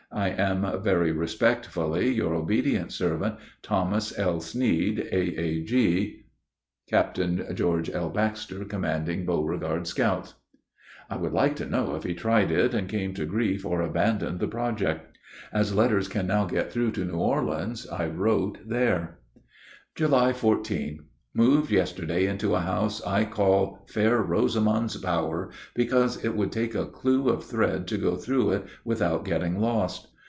I am, very respectfully, yr. obt. svt. THOMAS L. SNEAD, A.A.G. CAPT. GEO. L. BAXTER, Commanding Beauregard Scouts. I would like to know if he tried it and came to grief or abandoned the project. As letters can now get through to New Orleans, I wrote there. July 14. Moved yesterday into a house I call "Fair Rosamond's bower" because it would take a clue of thread to go through it without getting lost.